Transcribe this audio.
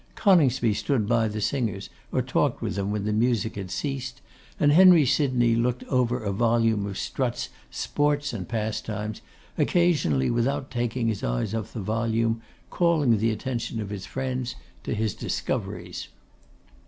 Coningsby stood by the singers, or talked with them when the music had ceased: and Henry Sydney looked over a volume of Strutt's Sports and Pastimes, occasionally, without taking his eyes off the volume, calling the attention of his friends to his discoveries.